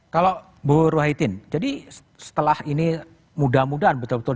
kalau bu ruwaitin jadi setelah ini mudah mudahan betul betul